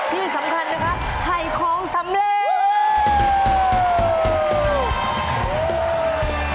ที่สำคัญนะคะถ่ายของสำเร็จ